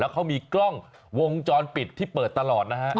เขามีกล้องวงจรปิดที่เปิดตลอดนะฮะ